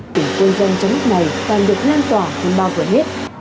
tỉnh quân dân trong lúc này toàn được lan tỏa hơn bao giờ hết